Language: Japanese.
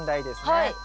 はい。